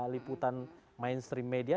liputan mainstream media